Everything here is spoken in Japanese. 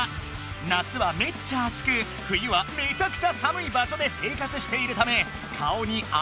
夏はめっちゃあつく冬はめちゃくちゃさむい場所で生活しているため顔にある特徴が。